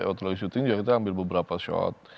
waktu di syuting kita ambil beberapa shot